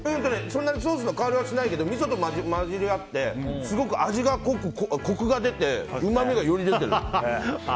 そんなにソースの香りはしないけどみそと混じり合ってすごく味が濃く、コクが出てうまみがより出てる。